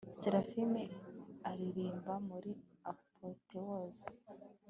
Seraphim aririmba muri apotheose